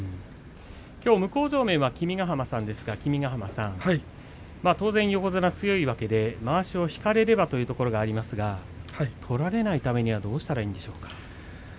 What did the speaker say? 向正面は君ヶ濱さんですが当然、横綱強いわけでまわしを引かれればというところがありますが取られないためにはどうしたらいいでしょうか。